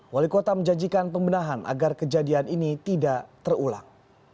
wali kota menjanjikan pembenahan agar kejadian ini tidak terulang